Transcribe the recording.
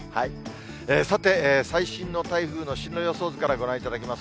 さて、最新の台風の進路予想図からご覧いただきます。